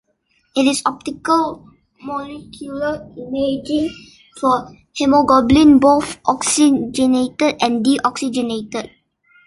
It is optical molecular imaging for hemoglobin both oxygenated and deoxygenated.